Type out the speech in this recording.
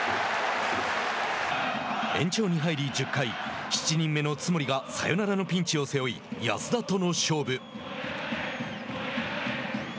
延長に入り１０回７人目の津森がサヨナラのピンチを背負い安田との勝負。